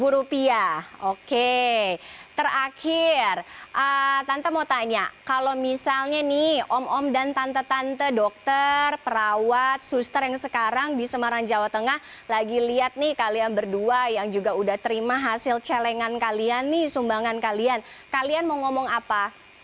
rupiah oke terakhir tante mau tanya kalau misalnya nih om om dan tante tante dokter perawat suster yang sekarang di semarang jawa tengah lagi lihat nih kalian berdua yang juga udah terima hasil celengan kalian nih sumbangan kalian kalian mau ngomong apa